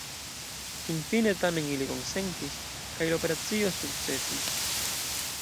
Finfine tamen ili konsentis, kaj la operacio sukcesis.